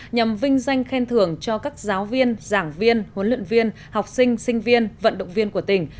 nhằm vinh danh khen thưởng cho các giáo viên giảng viên huấn luyện viên học sinh sinh viên vận động viên của tỉnh